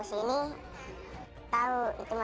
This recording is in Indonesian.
pes air mata tuh